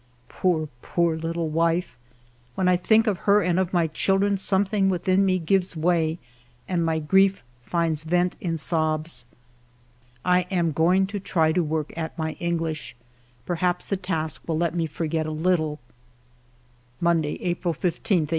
Poor, poor little wife ! When I think of her and of my chil dren, something within me gives way and my grief finds vent in sobs. ... I am going to try to work at my English. Per haps the task will help me to forget a little. Monday J April 15, 1895.